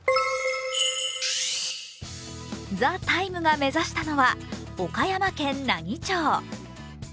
「ＴＨＥＴＩＭＥ，」が目指したのは岡山県奈義町。